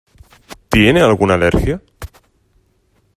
¿Tiene alguna alergia?